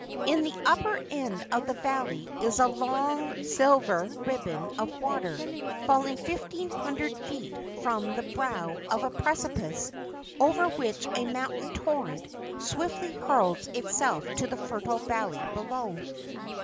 In the upper end of the valley is a long silver ribbon water falling fifteen hundred feet from the brow of a precipice over which a mountain torrent swiftly hurls itself to the fertile valley below.